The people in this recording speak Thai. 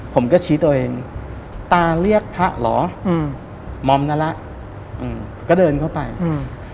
ผมก็ชี้ตัวเองตาเรียกพระเหรออืมมอมนั่นแหละอืมก็เดินเข้าไปอืม